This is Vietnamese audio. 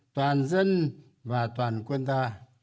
toàn dân và toàn quân ta